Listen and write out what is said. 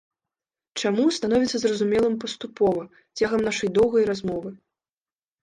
Чаму, становіцца зразумелым паступова, цягам нашай доўгай размовы.